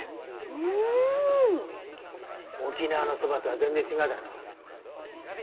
沖縄のそばとは全然違うだろ。